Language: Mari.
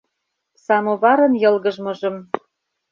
Самоварын йылгыжмыжым